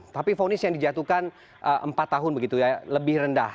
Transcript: tapi fonis yang dijatuhkan empat tahun begitu ya lebih rendah